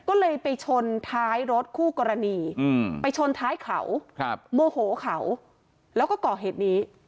ก็เลยไปชนท้ายรถคู่กรณีไปชนท้ายเขาโมโหเขาแล้วก็ก่อเหตุนี้